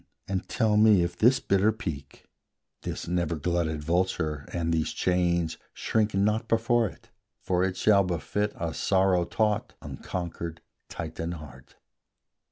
and tell me if this bitter peak, This never glutted vulture, and these chains Shrink not before it; for it shall befit A sorrow taught, unconquered Titan heart.